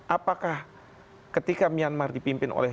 apakah ketika myanmar dipimpin oleh